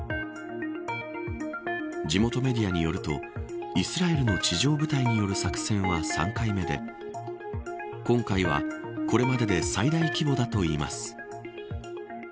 地元メディアによるとイスラエルの地上部隊による作戦は３回目で今回はこれまでで最大規模だといいます。